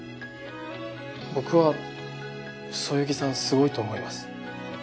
僕はそよぎさんすごいと思います。